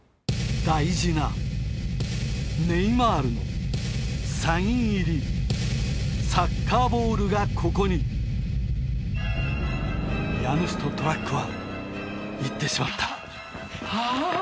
大事なネイマールのサイン入りサッカーボールがここに家主とトラックは行ってしまったあぁ！